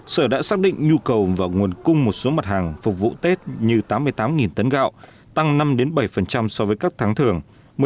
sở đã xác định nhu cầu và nguồn cung một số mặt hàng phục vụ tết như tám mươi tám tấn gạo tăng năm bảy so với các tháng thường